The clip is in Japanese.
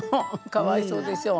かわいそうでしょ。